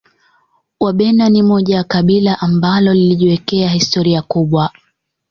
Wabena ni moja ya kabila ambalo lilijiwekea historia kubwa